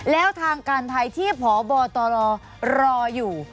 แล้วทางการไทยที่พบตรรออยู่